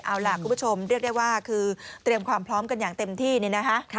เอาล่ะคุณผู้ชมเรียกได้ว่าคือเตรียมความพร้อมกันอย่างเต็มที่นี่นะคะ